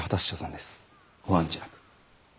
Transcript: ご案じなく。